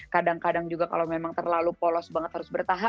kadang kadang juga kalau memang terlalu polos banget harus bertahan